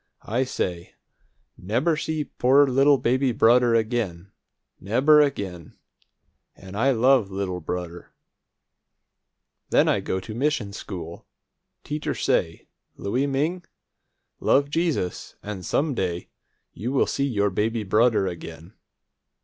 I say, 'Never see poor little baby brudder again, never again!' An' I love little brudder. Then I go mission school. Teacher say, 'Louie Ming, love Jesus, an' some day you see your baby brudder again.'